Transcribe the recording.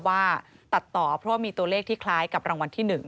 ว่าตัดต่อเพราะว่ามีตัวเลขที่คล้ายกับรางวัลที่๑